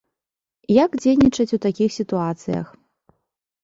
Як дзейнічаць у такіх сітуацыях?